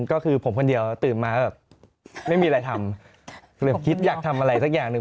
ก็คือผมคนเดียวตื่นมาแบบไม่มีอะไรทำหรือคิดอยากทำอะไรสักอย่างหนึ่ง